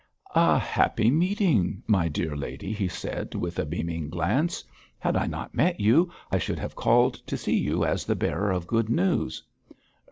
'A happy meeting, my dear lady,' he said, with a beaming glance. 'Had I not met you, I should have called to see you as the bearer of good news.'